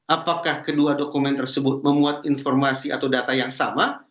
apakah kedua dokumen tersebut memuat informasi atau data yang sama